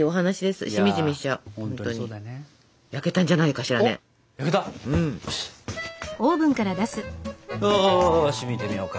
よし見てみようか。